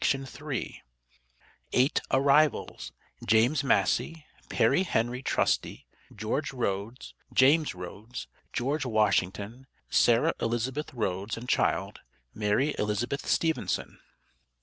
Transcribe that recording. EIGHT ARRIVALS: JAMES MASSEY, PERRY HENRY TRUSTY, GEORGE RHOADS, JAMES RHOADS, GEORGE WASHINGTON, SARAH ELIZABETH RHOADS AND CHILD, MARY ELIZABETH STEVENSON.